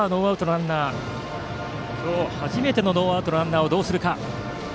今日初めてのノーアウトのランナーをどうするか。